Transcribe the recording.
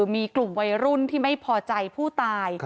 มีกลุ่มวัยรุ่นที่ไม่พอใจผู้ตาย